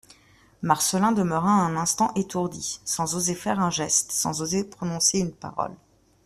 Marcelin demeura un instant étourdi, sans oser faire un geste, sans oser prononcer une parole.